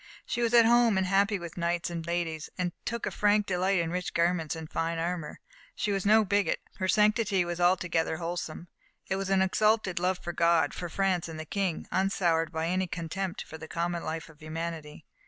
She was at home and happy with knights and ladies, and took a frank delight in rich garments and fine armour. She was no bigot, her sanctity was altogether wholesome: it was an exalted love for God, for France and the King, unsoured by any contempt for the common life of humanity.